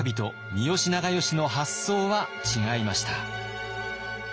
三好長慶の発想は違いました。